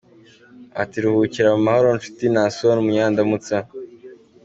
Ati “Ruhukira mu mahoro nshuti Naasson Munyandamutsa.